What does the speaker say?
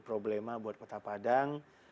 problema buat kota padang